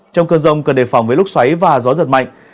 trong cơn rông cần đề phòng với lúc xoáy và gió giật mạnh